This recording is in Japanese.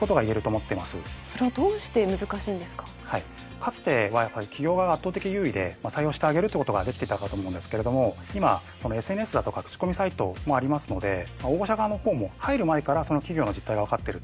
かつては企業側が圧倒優位で採用してあげるということができてたかと思うんですけれども今ＳＮＳだとか口コミサイトもありますので応募者側の方も入る前からその企業の実態が分かってると。